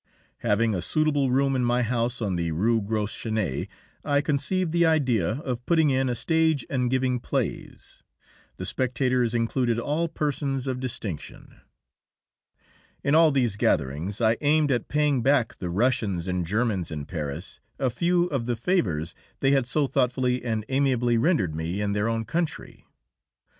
Having a suitable room in my house on the Rue Gros Chenet, I conceived the idea of putting in a stage and giving plays. The spectators included all persons of distinction. In all these gatherings I aimed at paying back the Russians and Germans in Paris a few of the favours they had so thoughtfully and amiably rendered me in their own country.